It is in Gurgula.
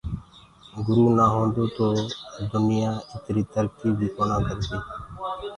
گُرو نآ هوندو تو دنيآ اِتري ترڪي بي ڪونآ ڪردي۔